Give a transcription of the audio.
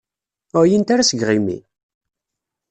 Ur εyint ara seg yiɣimi?